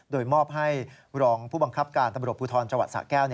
โดยมอบให้รองพบกรปตนสแก้ว